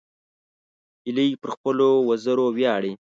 هیلۍ پر خپلو وزرو ویاړي